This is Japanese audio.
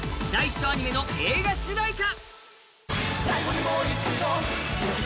大ヒットアニメの映画主題歌。